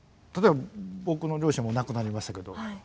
例えば僕の両親も亡くなりましたけど。